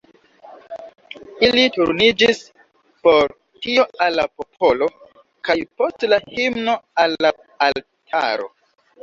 Ili turniĝis por tio al la popolo, kaj post la himno al la altaro.